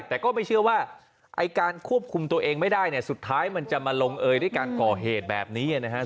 แต่ก็ไม่เชื่อว่าไอ้การควบคุมตัวเองไม่ได้เนี่ยสุดท้ายมันจะมาลงเอยด้วยการก่อเหตุแบบนี้นะครับ